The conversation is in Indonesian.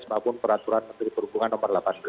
maupun peraturan perhubungan nomor delapan belas